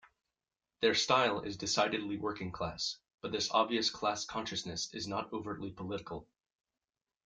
Their style is decidedly working-class, but this obvious class-consciousness is not overtly political.